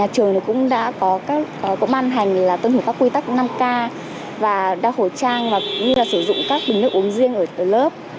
trường cũng đã có màn hành tương thủ các quy tắc năm k và đa khẩu trang và sử dụng các bình nước uống riêng ở lớp